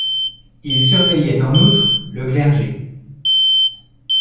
Ils surveillaient en outre le clergé.